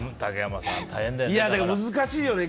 難しいよね。